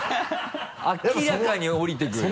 明らかにおりてくる。